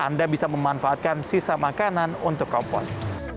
anda bisa memanfaatkan sisa makanan untuk kompos